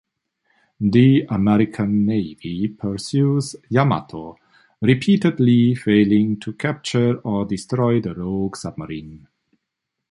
The American navy pursues "Yamato", repeatedly failing to capture or destroy the rogue submarine.